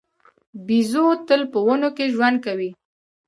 بیزو تل په ونو کې ژوند کوي.